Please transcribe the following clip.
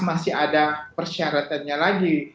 masih ada persyaratannya lagi